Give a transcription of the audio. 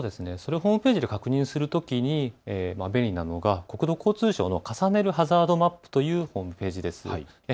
ホームページで確認するときに便利なのが国土交通省の重ねるハザードマップというホームページです。